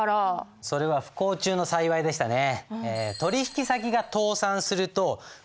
それは不幸中の幸いでしたね。